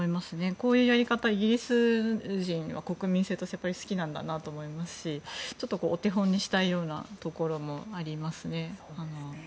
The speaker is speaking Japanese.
こういうやり方、イギリス人は国民性としてやっぱり好きなんだなと思いますしちょっとお手本にしたいようなところもありますね。